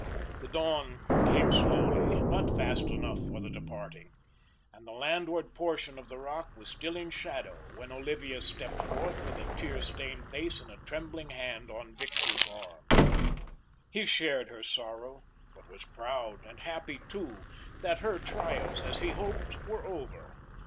The dawn came slowly, but fast enough for the departing, and the landward portion of the rock was still in shadow when Olivia stepped forth with a tear stained face and a trembling hand on Victor's arm. He shared her sorrow, but was proud and happy too that her trials, as he hoped, were over.